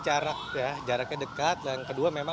tersebut terus disebut sebagai tidaksuperamerful